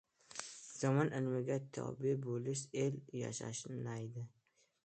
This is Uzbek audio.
Zamon ilmga tobe’ bo‘lsa – el yashnaydi